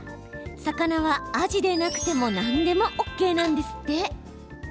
魚は、あじでなくても何でもＯＫなんですって。